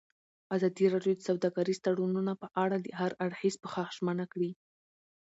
ازادي راډیو د سوداګریز تړونونه په اړه د هر اړخیز پوښښ ژمنه کړې.